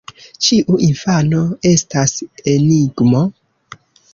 Ĉiu infano estas enigmo.